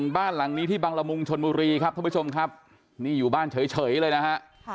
บ้านหลังนี้ที่บังละมุงชนบุรีครับท่านผู้ชมครับนี่อยู่บ้านเฉยเลยนะฮะ